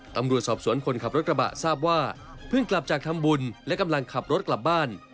ตำรวจสอบสวนคนขับรถกระบะทราบว่าเพิ่งกลับจากทำบุญและกำลังขับรถกลับบ้าน